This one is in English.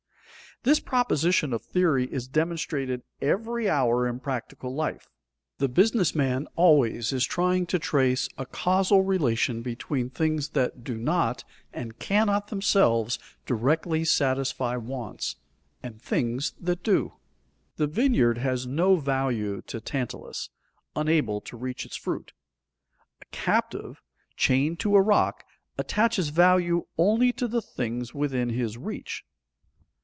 _ This proposition of theory is demonstrated every hour in practical life. The business man always is trying to trace a causal relation between things that do not and cannot themselves directly satisfy wants, and things that do. The vineyard has no value to Tantalus, unable to reach its fruit. A captive, chained to a rock, attaches value only to the things within his reach.